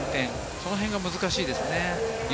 そのへんが難しいですね。